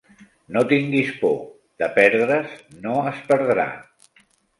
No tinguis por: de perdre's no es perdrà.